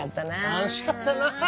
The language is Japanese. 楽しかったなあ。